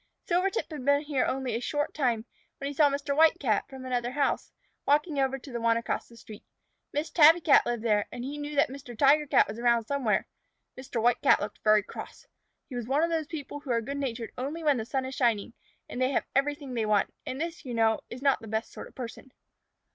Silvertip had been here only a short time, when he saw Mr. White Cat, from another house, walking over to the one across the street. Miss Tabby Cat lived there, and he knew that Mr. Tiger Cat was around somewhere. Mr. White Cat looked very cross. He was one of those people who are good natured only when the sun is shining and they have everything they want, and this, you know, is not the best sort of a person.